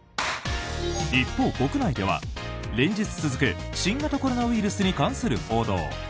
一方、国内では連日続く新型コロナウイルスに関する報道。